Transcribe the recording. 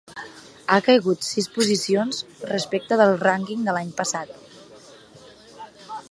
Ha caigut sis posicions respecte del rànquing de l’any passat.